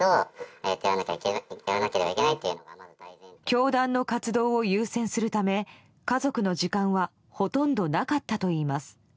教団の活動を優先するため家族の時間はほとんどなかったといいます。